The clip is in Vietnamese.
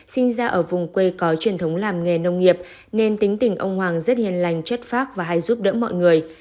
sinh ra ở vùng quê có truyền thống làm nghề nông nghiệp nên tính tình ông hoàng rất hiền lành chất phát và hay giúp đỡ mọi người